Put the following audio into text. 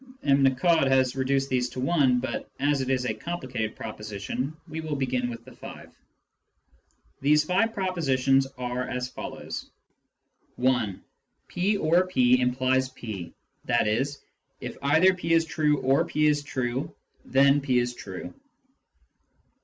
(M. Nicod has reduced these to one, but as it is a complicated proposition, we will begin with the five.) These five propositions are as follows :— (1) " p or p " implies p — i.e. if either p is true or p is true, then p is true.